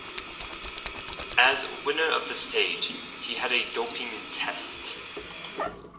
As winner of the stage, he had a doping test.